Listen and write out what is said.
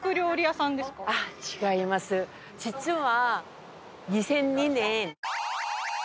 実は。